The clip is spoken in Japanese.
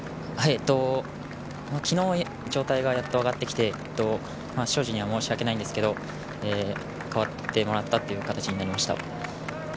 昨日、状態がやっと上がってきて東海林には申し訳ないんですが代わってもらったという形になりました。